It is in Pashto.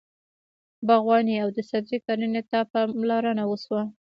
باغواني او د سبزۍ کرنې ته پاملرنه وشوه.